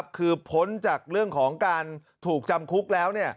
คือพ้นจากเรื่องของการถูกจำคุกแล้ว